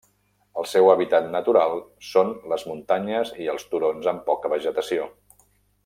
El seu hàbitat natural són les muntanyes i els turons amb poca vegetació.